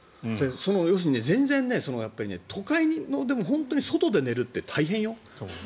要するに全然都会でも本当に、外で寝るって大変よ。